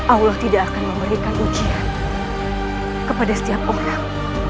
allah tidak akan memberikan ujian kepada setiap orang